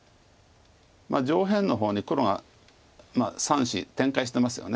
上辺の方に黒が３子展開してますよね。